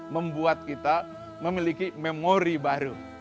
membuat kita memiliki memori baru